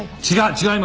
違います！